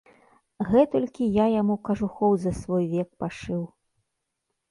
Гэтулькі я яму кажухоў за свой век пашыў.